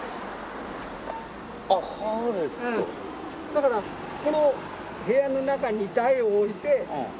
だからこの部屋の中に台を置いてやるわけ。